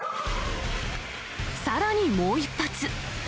さらにもう１発。